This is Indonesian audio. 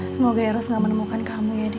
semoga eros gak menemukan kamu ya di